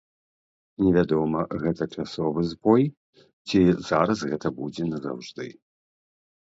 Невядома, гэта часовы збой ці зараз гэта будзе назаўжды.